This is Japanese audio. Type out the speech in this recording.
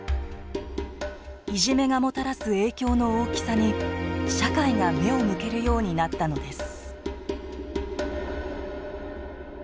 いじめがもたらす影響の大きさに社会が目を向けるようになったのです。